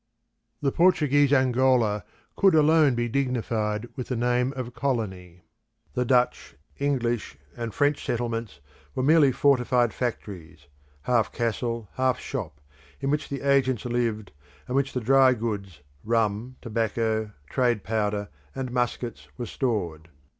The Portuguese Angola could alone be dignified with the name of colony. The Dutch, English, and French settlements were merely fortified factories, half castle, half shop, in which the agents lived, and in which the dry goods, rum, tobacco, trade powder and muskets, were stored.